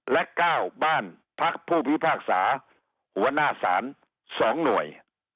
และ๙บ้านพักผู้พิพากษาหัวหน้าศาล๒หน่วย